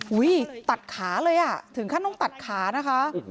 ตัดขาเลยอ่ะถึงขั้นต้องตัดขานะคะ